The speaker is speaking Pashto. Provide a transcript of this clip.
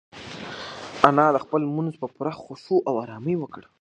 انا خپل لمونځ په پوره خشوع او ارامۍ وکړ.